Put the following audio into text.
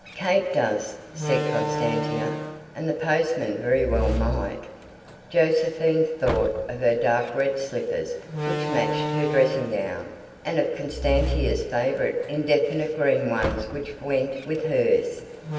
"Kate does," said Constantia. "And the postman very well might." Josephine thought of her dark red slippers, which matched her dressing gown, and of Constantia's favourite indefinite green ones which went with hers.